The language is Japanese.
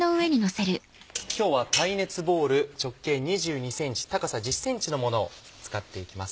今日は耐熱ボウル直径２２ｃｍ高さ１０ｃｍのものを使っていきます。